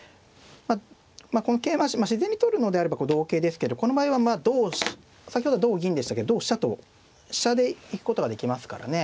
この桂馬は自然に取るのであれば同桂ですけどこの場合は先ほど同銀でしたけど同飛車と飛車で行くことができますからね